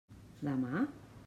Demà?